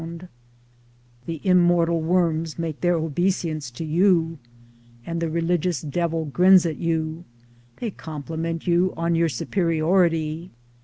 Towards Democracy 19 The immortal worms make their obeisance to you, and the religious devil grins at you — they compliment you on your superiority.